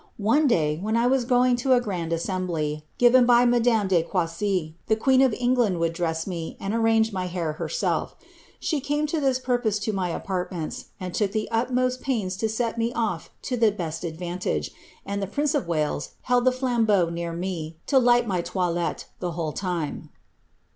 One day, when I was going to a grand assembly, given by madame di Choisy, the queen of England would dress me, and arrange my htii herself; she came for this purpose to my apartments, and took th< utmost pains to set me ofif to the best advantage, and the prince ol Wales held the flambeau near me, to light my toilette, the whole time.